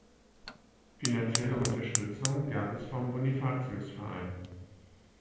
Finanzielle Unterstützung gab es vom Bonifatius-Verein.